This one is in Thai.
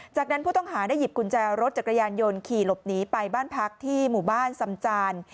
จากนั้นผู้ต้องหาได้หยิบกุญแจรถจักรยานยนต์ขี่หลบหนีไปบ้านพักที่หมู่บ้านสำจาน